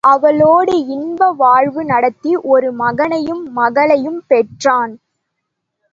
அவளோடு இன்ப வாழ்வு நடத்தி ஒரு மகனையும் மகளையும் பெற்றான்.